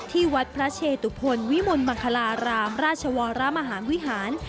ที่วัดพระเชตุพลวิมลมังคลารามราชวรมหาวิหาร